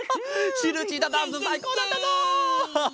シルチータダンスさいこうだったぞ！